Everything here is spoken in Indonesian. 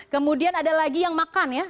kemudian ada lagi yang makan ya